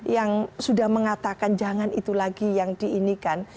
yang sudah mengatakan jangan itu lagi yang diinikan